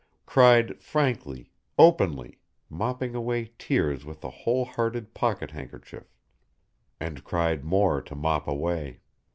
Cried frankly, openly, mopping away tears with a whole hearted pocket handkerchief, and cried more to mop away.